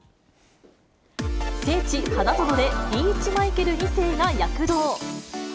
聖地、花園でリーチマイケル２世が躍動。